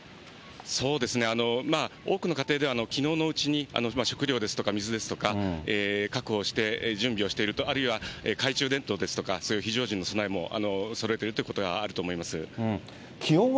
そうですね、多くの家庭ではきのうのうちに食料ですとか水ですとか、確保して準備をしていると、あるいは懐中電灯ですとか、そういう非常時の備えもされているということがあると思います。